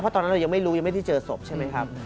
เพราะตอนนั้นเรายังไม่รู้ยังไม่ได้เจอศพใช่ไหมครับ